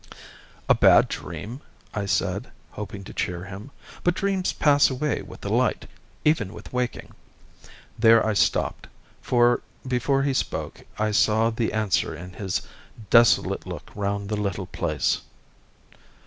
"A bad dream!" I said, hoping to cheer him; "but dreams pass away with the light—even with waking." There I stopped, for before he spoke I saw the answer in his desolate look round the little place.